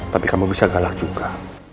tapi kamu bisa galak juga